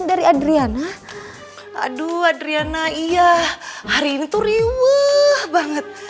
adriana iya hari ini tuh riweh banget